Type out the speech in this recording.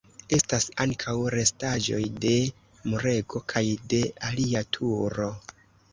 Estas ankaŭ restaĵoj de murego kaj de alia turo.